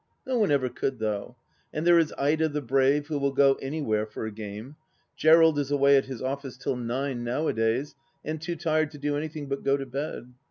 No one ever could, though. And there is Ida the brave, who will go anywhere for a game. Gerald is away at his office till nine nowadays, and too tired to do anything but go to bed.